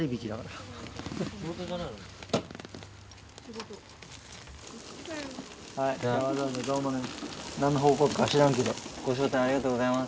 ご招待ありがとうございます。